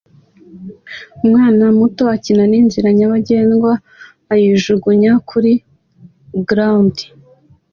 Umwana muto akina n'inzira nyabagendwa ayijugunya kuri gound